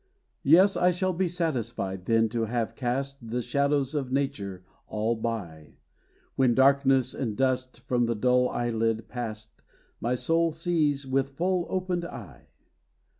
Yes, I shall be satisfied then to have cast The shadows of nature all by When, darkness and dust from the dull eyelid past, My soul sees with full opened eye.